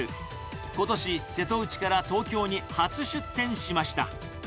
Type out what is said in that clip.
ことし、瀬戸内から東京に初出店しました。